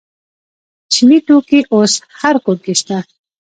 چیني توکي اوس هر کور کې شته.